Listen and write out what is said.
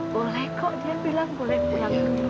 boleh kok dia bilang boleh pulang